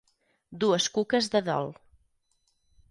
Dues cuques de dol.